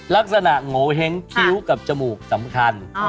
ลักษณะโงเห้งคิ้วกับจมูกสำคัญ